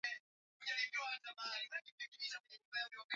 Anacheza mpira